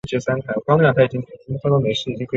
维也纳爱乐的总部设于维也纳金色大厅。